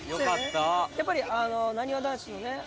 やっぱりなにわ男子のね。